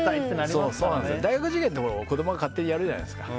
大学受験って子供が勝手にやるじゃないですか。